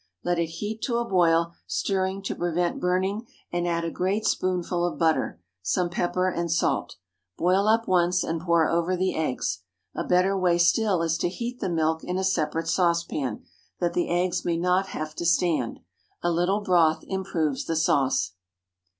Let it heat to a boil, stirring to prevent burning, and add a great spoonful of butter, some pepper and salt. Boil up once, and pour over the eggs. A better way still is to heat the milk in a separate saucepan, that the eggs may not have to stand. A little broth improves the sauce.